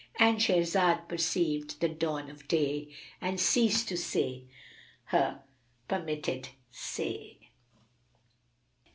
—And Shahrazad perceived the dawn of day and ceased to say her permitted say.